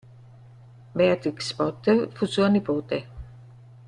Beatrix Potter fu sua nipote.